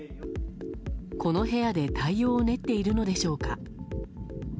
この部屋で対応を練っているのでしょうか。